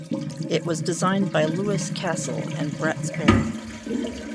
It was designed by Louis Castle and Brett Sperry.